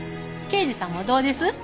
刑事さんもどうです？